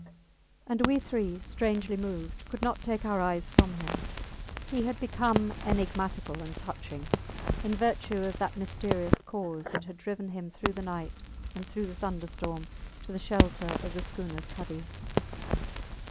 And we three, strangely moved, could not take our eyes from him. He had become enigmatical and touching, in virtue of that mysterious cause that had driven him through the night and through the thunderstorm to the shelter of the schooners cuddy.